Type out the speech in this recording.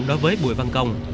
đối với bùi văn công